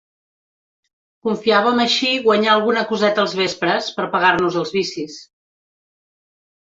Confiàvem així guanyar alguna coseta als vespres, per pagar-nos els vicis.